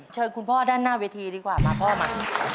เชิญคุณพ่อด้านหน้าเวทีดีกว่ามาพ่อมา